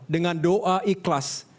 dengan doa ikhlas